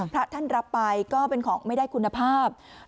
พระท่านรับไปก็เป็นของไม่ได้คุณภาพ